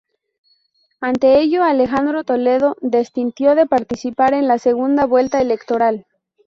Ante ello, Alejandro Toledo desistió de participar en la segunda vuelta electoral.